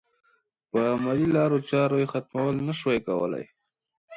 په علمي لارو چارو یې ختمول نه شوای کولای.